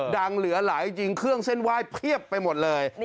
เหลือหลายจริงเครื่องเส้นไหว้เพียบไปหมดเลย